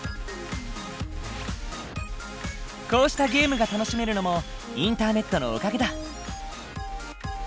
こうしたゲームが楽しめるのもインターネットのおかげだ。